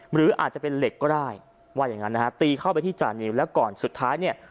หรืออาจจะเป็นเหล็กก็ได้ว่าอย่างงั้นนะฮะตีเข้าไปที่จานิวแล้วก่อนสุดท้ายเนี่ย